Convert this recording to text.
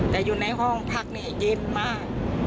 แต่อยู่ในห้องพักนี่เย็นมาก